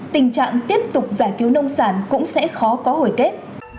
tình trạng tiếp tục giải cứu nông sản cũng sẽ khó có hồi kết